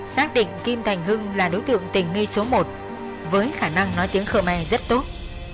xác định kim thành hưng là đối tượng tình nghi số một với khả năng nói tiếng khmer rất tốt